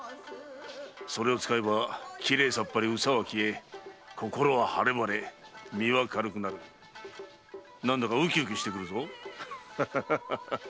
それを使えばきれいさっぱり憂さは消え心は晴れ晴れ身は軽くなり何だかウキウキしてくるぞ。